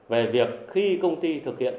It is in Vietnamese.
về việc khi công ty thực hiện